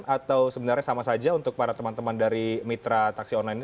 atau sebenarnya sama saja untuk para teman teman dari mitra taksi online ini